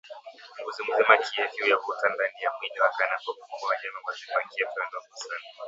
mbuzi mzima kiafya huyavuta ndani ya mwili wake anapopumua Wanyama wazima kiafya wanaogusana